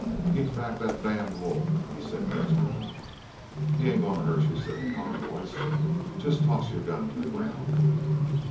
"Keep back that damned wolf," he said desperately. "He ain't goin' to hurt you," said the calm voice. "Jest toss your gun to the ground."